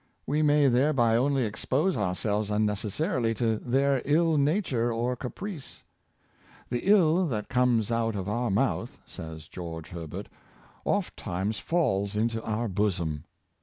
We may thereby only expose ourselves unnecessarily to their ill nature or caprice. " The ill that comes out of our mouth/' says George Herbert, "oft times falls into our bosom.'"